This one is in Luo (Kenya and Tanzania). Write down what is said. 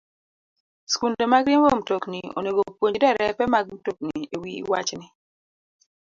Skunde mag riembo mtokni onego opuonj derepe mag mtokni e wi wachni.